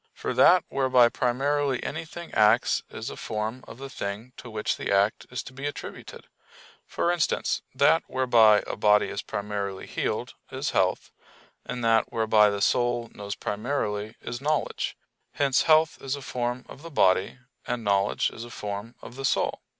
For that whereby primarily anything acts is a form of the thing to which the act is to be attributed: for instance, that whereby a body is primarily healed is health, and that whereby the soul knows primarily is knowledge; hence health is a form of the body, and knowledge is a form of the soul.